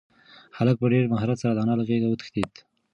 هلک په ډېر مهارت سره د انا له غېږې وتښتېد.